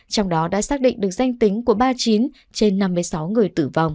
trong đó đã xác định được danh tính của ba mươi chín trên năm mươi sáu người